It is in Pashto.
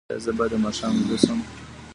ایا زه باید د ماښام ویده شم؟